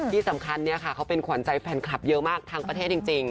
ที่สำคัญเนี่ยค่ะเขาเป็นขวัญใจแฟนคลับเยอะมากทั้งประเทศจริง